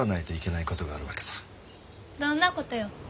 どんなことよ？